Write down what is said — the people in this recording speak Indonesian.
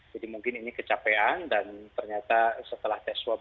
jadi mungkin ini kecapean dan ternyata setelah tes swab